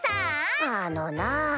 あのなぁ。